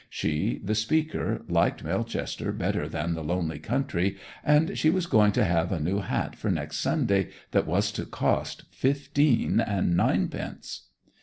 She, the speaker, liked Melchester better than the lonely country, and she was going to have a new hat for next Sunday that was to cost fifteen and ninepence.